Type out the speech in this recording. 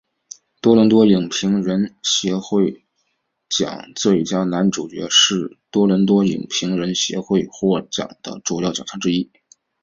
多伦多影评人协会奖最佳男主角是多伦多影评人协会奖的主要奖项之一。